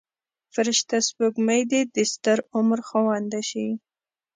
فرشته سپوږمۍ د دستر عمر خاونده شي.